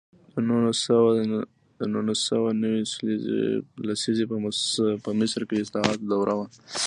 د نولس سوه نوي لسیزه په مصر کې د اصلاحاتو دوره وه.